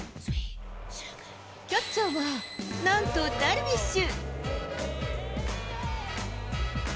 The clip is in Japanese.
キャッチャーは、なんとダルビッシュ。